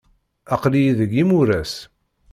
Aql-iyi deg yimuras.